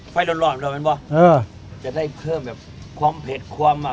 ไฟร้อนร้อนเหมือนกันป่ะเออจะได้เพิ่มแบบความเผ็ดความอ่ะ